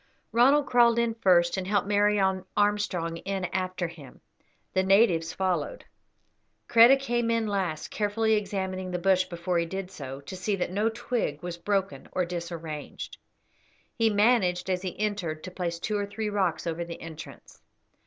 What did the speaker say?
Ronald crawled in first, and helped Mary Armstrong in after him; the natives followed. Kreta came in last, carefully examining the bush before he did so, to see that no twig was broken or disarranged. He managed as he entered to place two or three rocks over the entrance.